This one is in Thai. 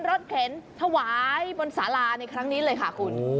เข็นถวายบนสาราในครั้งนี้เลยค่ะคุณ